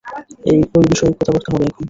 ঐ বিষয়ে কথাবার্তা হবে এখন।